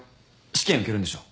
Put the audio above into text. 試験受けるんでしょ？